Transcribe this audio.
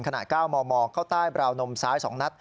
๙มมเข้าใต้บราวนมซ้าย๒นัด